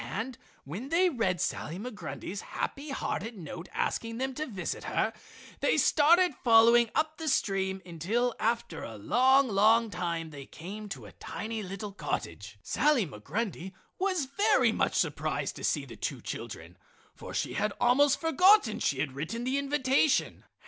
And when they read Sally Migrundy's happy hearted note asking them to visit her they started following up the stream until after a long, long time they came to the tiny little cottage. Sally Migrundy was very much surprised to see the two children, for she had almost forgotten she had written the invitation.